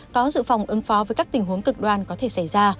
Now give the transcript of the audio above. có dự phòng ứng phó với các tình huống cực đoan có thể xảy ra